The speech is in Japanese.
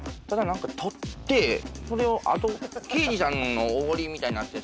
ただ何かとってそれをあと刑事さんのおごりみたいな。